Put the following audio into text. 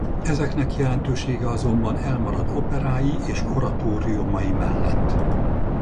Ezeknek jelentősége azonban elmarad operái és oratóriumai mellett.